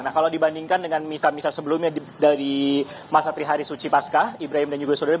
nah kalau dibandingkan dengan misa misa sebelumnya dari masa trihari suci pasca ibrahim dan juga saudara